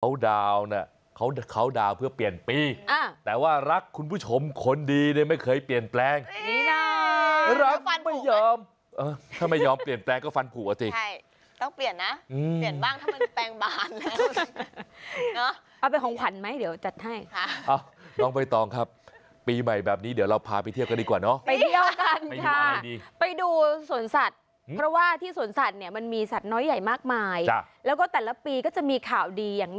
เขาดาวน่ะเขาดาวน่ะเขาดาวน่ะเขาดาวน่ะเขาดาวน่ะเขาดาวน่ะเขาดาวน่ะเขาดาวน่ะเขาดาวน่ะเขาดาวน่ะเขาดาวน่ะเขาดาวน่ะเขาดาวน่ะเขาดาวน่ะเขาดาวน่ะเขาดาวน่ะเขาดาวน่ะเขาดาวน่ะเขาดาวน่ะเขาดาวน่ะเขาดาวน่ะเขาดาวน่ะเขาดาวน่ะเขาดาวน่ะเขาดาวน่